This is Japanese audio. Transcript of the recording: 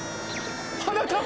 はなかっ